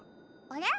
あれ？